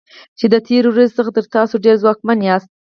چې د تیرې ورځې څخه تاسو ډیر ځواکمن یاست.